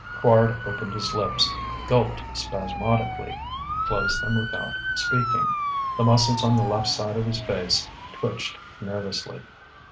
Quard opened his lips, gulped spasmodically, closed them without speaking. The muscles on the left side of his face twitched nervously.